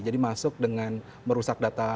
jadi masuk dengan merusak data